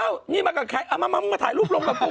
อ้าวนี่มากับใครเอามามาถ่ายรูปลงกับปุ๊บก่อน